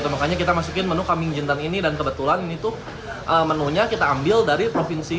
makanya kita masukin menu kambing jinten ini dan kebetulan menunya kita ambil dari provinsi